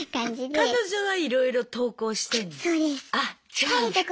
彼女はいろいろ投稿してんの？